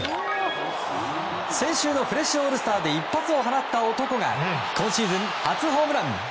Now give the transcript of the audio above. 先週のフレッシュオールスターで一発を放った男が今シーズン初ホームラン。